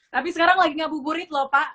tapi sekarang lagi ngebuburit lho pak